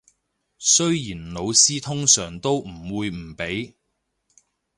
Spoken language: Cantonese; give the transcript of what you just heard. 雖然老師通常都唔會唔俾